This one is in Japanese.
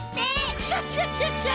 クシャシャシャシャ！